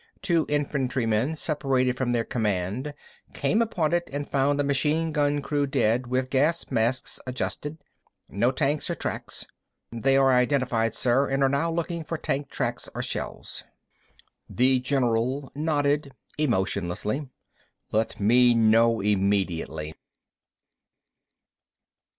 Two infantrymen, separated from their command, came upon it and found the machine gun crew dead, with gas masks adjusted. No tanks or tracks. They are identified, sir, and are now looking for tank tracks or shells." The general nodded emotionlessly. "Let me know immediately."